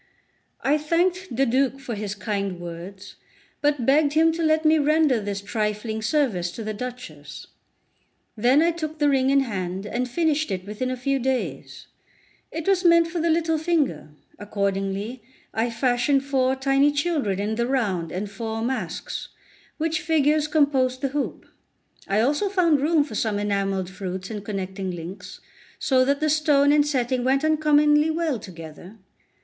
I thanked the Duke for his kind words, but begged him to let me render this trifling service to the Duchess. Then I took the ring in hand, and finished it within a few days. It was meant for the little finger; accordingly I fashioned four tiny children in the round and four masks, which figures composed the hoop. I also found room for some enamelled fruits and connecting links, so that the stone and setting went uncommonly well together.